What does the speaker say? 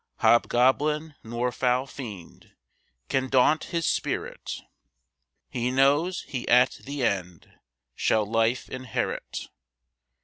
"Hobgoblin nor foul fiend Can daunt his spirit; He knows he at the end Shall life inherit.